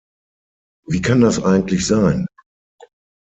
Wie kann das eigentlich sein?